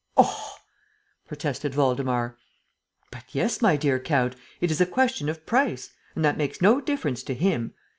"Oh!" protested Waldemar. "But yes, my dear count, it is a question of price; and that makes no difference to 'him.'